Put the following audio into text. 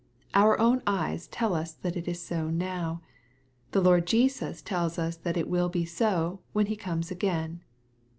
Our own eyes tell us that it is so now. The Lord Jesus tells us that it will be so, when He comes again.